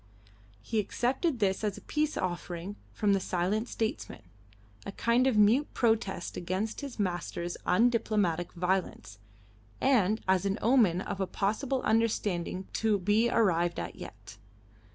He accepted this as a peace offering from the silent statesman a kind of mute protest against his master's undiplomatic violence, and as an omen of a possible understanding to be arrived at yet.